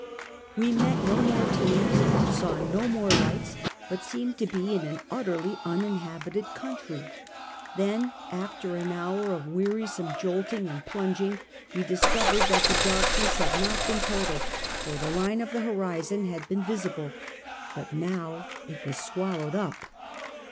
We met no more teams, saw no more lights, but seemed to be in an utterly uninhabited country. Then, after an hour of wearisome jolting and plunging, we discovered that the darkness had not been total, for the line of the horizon had been visible, but now it was swallowed up.